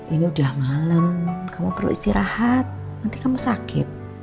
ini udah malam kamu perlu istirahat nanti kamu sakit